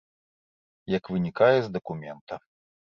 Як вынікае з дакумента.